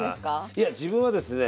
いや自分はですね